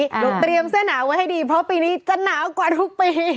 เดี๋ยวเตรียมเสื้อหนาวไว้ให้ดีเพราะปีนี้จะหนาวกว่าทุกปี